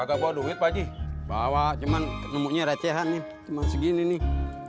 kagak bawa duit pak ji bawa cuman temunya recehannya cuman segini nih